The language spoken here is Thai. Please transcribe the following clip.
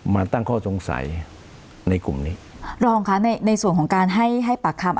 มาตั้งข้อสงสัยในกลุ่มนี้รองค่ะในในส่วนของการให้ให้ปากคำ